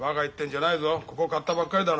ここを買ったばっかりだろうが。